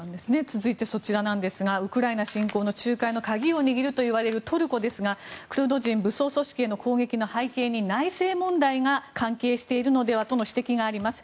続いて、そちらなんですがウクライナ侵攻の仲介の鍵を握るといわれるトルコですがクルド人武装組織への攻撃の背景に内政問題が関係しているのではという指摘があります。